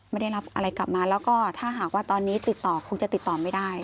ไม่ได้รับอะไรกลับมาแล้วก็ถ้าหากว่าตอนนี้ติดต่อคงจะติดต่อไม่ได้